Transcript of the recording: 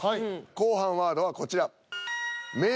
後半ワードはこちら。